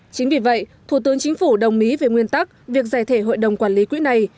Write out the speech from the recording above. chính vì vậy thủ tướng chính phủ đồng ý về nguyên tắc việc giải thể hội đồng quản lý quỹ này